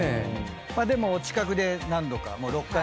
でもお近くで何度か。